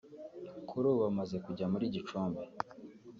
kuri ubu bamaze kujya muri Gicumbi